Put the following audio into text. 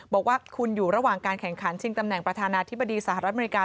บอกว่าคุณอยู่ระหว่างการแข่งขันชิงตำแหน่งประธานาธิบดีสหรัฐอเมริกา